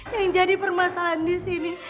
yang jadi permasalahan di sini